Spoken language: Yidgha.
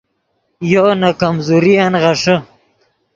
یو نے کمزورین غیݰے